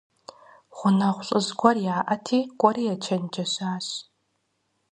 Гъунэгъу лӀыжь гуэр яӀэти, кӀуэри ечэнджэщащ.